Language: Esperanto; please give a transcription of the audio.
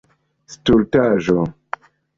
Stultaĵo!